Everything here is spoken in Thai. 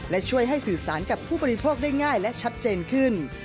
และช่วยให้สื่อสารกับผู้บริโภคได้ง่ายและชัดเจนขึ้น